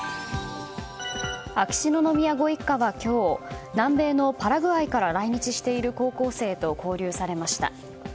秋篠宮ご一家は今日南米のパラグアイから来日している高校生と交流されました。